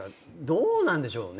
どうなんでしょうね？